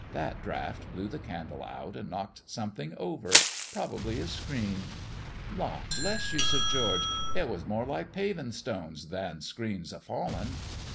That draught blew the candle out and knocked something over, probably a screen." "La' bless you, Sir George, it was more like paving stones than screens a falling."